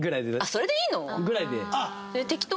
それでいいの？ぐらいで。